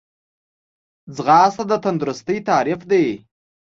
ځغاسته د تندرستۍ تعریف دی